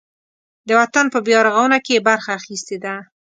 د وطن په بیارغاونه کې یې برخه اخیستې ده.